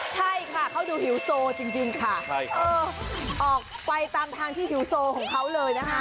ใช่ค่ะเขาดูหิวโซจริงค่ะเออออกไปตามทางที่หิวโซของเขาเลยนะคะ